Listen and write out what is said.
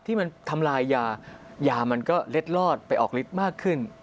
ที่มันทำลายยายามันก็เล็ดลอดไปออกฤทธิ์มากขึ้น